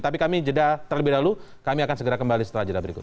tapi kami jeda terlebih dahulu kami akan segera kembali setelah jeda berikut